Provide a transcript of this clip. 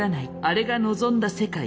「あれが望んだ世界？